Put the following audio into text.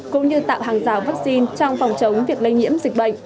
cũng như tạo hàng rào vắc xin trong phòng chống việc lây nhiễm dịch bệnh